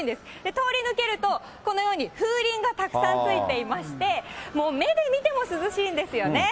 通り抜けるとこのように風鈴がたくさんついていまして、もう目で見ても涼しいんですよね。